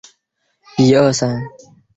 合理安排旅游线路